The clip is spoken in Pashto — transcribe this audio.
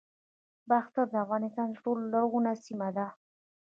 باختر د افغانستان تر ټولو لرغونې سیمه ده